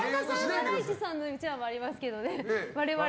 ハライチさんのうちわもありますけどね